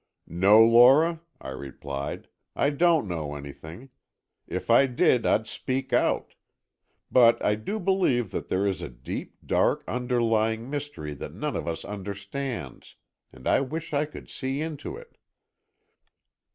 "No, Lora," I replied, "I don't know anything. If I did, I'd speak out. But I do believe that there is a deep, dark, underlying mystery that none of us understands, and I wish I could see into it."